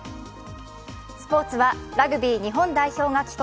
スポーツはラグビー日本代表が帰国。